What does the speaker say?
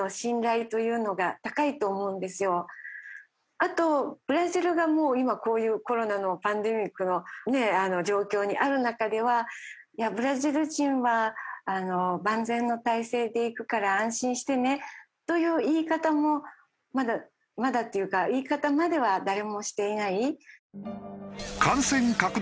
あとブラジルがもう今こういうコロナのパンデミックの状況にある中ではブラジル人はあの万全の態勢で行くから安心してねという言い方もまだまだっていうか言い方までは誰もしていない。